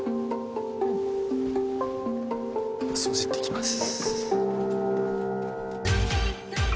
掃除行ってきます。